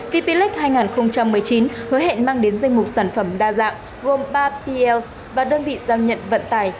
vplec hai nghìn một mươi chín hứa hẹn mang đến danh mục sản phẩm đa dạng gồm ba pls và đơn vị giao nhận vận tài